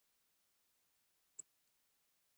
چار مغز د افغانانو د ژوند طرز اغېزمنوي.